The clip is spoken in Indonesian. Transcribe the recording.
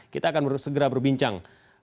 kita akan segera berbincang